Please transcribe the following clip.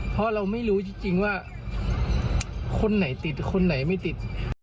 เพราะเราไม่รู้จริงว่าคนไหนติดคนไหนไม่ติด